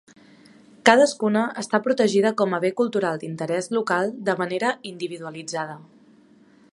Cadascuna està protegida com a bé cultural d'interès local de manera individualitzada.